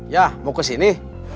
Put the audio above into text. ya mau kesini